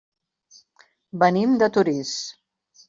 Venim de Torís.